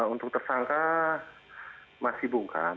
untuk tersangka masih bukan